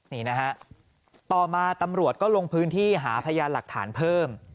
นี่นะฮะต่อมาตำรวจก็ลงพื้นที่หาพยานหลักฐานเพิ่ม